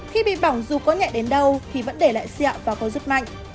khi bị bỏng dù có nhạy đến đâu thì vẫn để lại sẹo và có rất mạnh